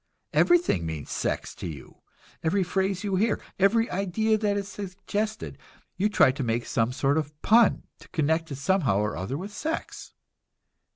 Everything means sex to you. Every phrase you hear, every idea that is suggested you try to make some sort of pun, to connect it somehow or other with sex."